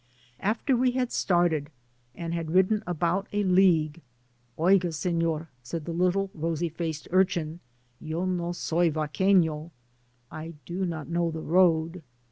After we had started, and had ridden about a league, " Oyga, Senor,^ said the little rosy faced urchin, *^ yo no soy vaqueano" (I do not know the road).